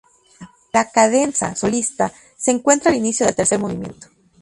La "cadenza" solista se encuentra al inicio del tercer movimiento.